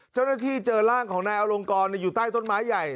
เจ้าหน้าที่เจอร่างของนายอลงกรอยู่ใต้ต้นไม้ใหญ่